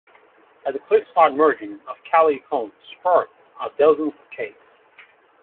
At the cliff side margin of Calicoan's forests are dozens of caves.